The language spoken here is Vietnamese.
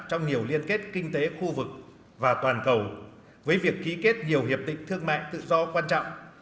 trong nhiều liên kết kinh tế khu vực và toàn cầu với việc ký kết nhiều hiệp định thương mại tự do quan trọng